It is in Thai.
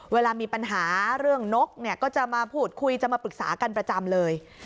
เวลามีปัญหาเรื่องนกเนี่ยก็จะมาพูดคุยจะมาปรึกษากันประจำเลย